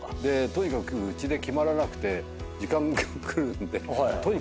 とにかくうちで決まらなくて時間が来るんで。